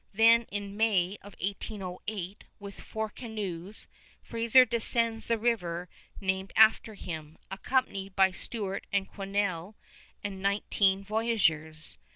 Then, in May of 1808, with four canoes Fraser descends the river named after him, accompanied by Stuart and Quesnel and nineteen voyageurs.